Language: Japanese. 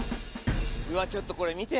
ちょっとこれ見て！